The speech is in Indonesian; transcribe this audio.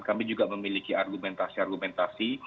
kami juga memiliki argumentasi argumentasi